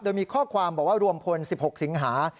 โดยมีข้อความบอกว่ารวมพล๑๖สิงหา